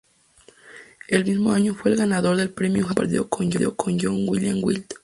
El mismo año fue el ganador del Premio Japón, compartido con John Julian Wild.